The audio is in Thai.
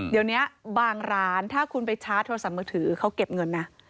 เดี๋ยวนี้บางร้านถ้าคุณไปชาร์จโทรศัพท์มือถือเขาเก็บเงินนะ